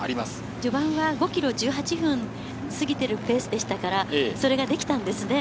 序盤は５ｋｍ１８分を過ぎているペースでしたから、それができたんですね。